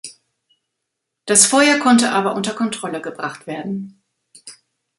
Das Feuer konnte aber unter Kontrolle gebracht werden.